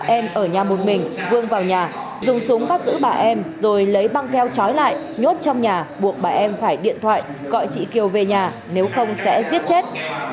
em ở nhà một mình vương vào nhà dùng súng bắt giữ bà em rồi lấy băng keo trói lại nhốt trong nhà buộc bà em phải điện thoại gọi chị kiều về nhà nếu không sẽ giết chết